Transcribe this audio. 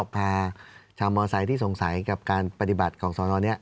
พี่สงสัยกับการปฏิบัติของทรลเนี่ย